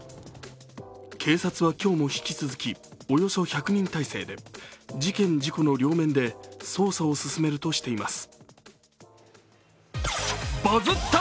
警察は今日も引き続き、およそ１００人態勢で、事件・事故の両面で捜査を進めるとしています。